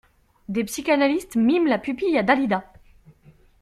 Des psychanalistes miment la pupille à Dalida!